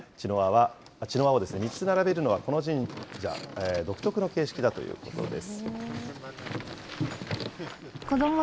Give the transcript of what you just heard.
茅の輪を３つ並べるのはこの神社独特の形式だということです。